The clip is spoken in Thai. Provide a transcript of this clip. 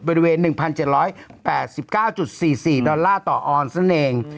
บริเวณ๑๗๘๙๔๔ดอลลาร์ต่อออนด์นั่นเอง